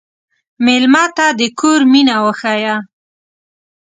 مېلمه ته د کور مینه وښیه.